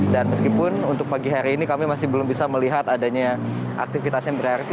meskipun untuk pagi hari ini kami masih belum bisa melihat adanya aktivitas yang berarti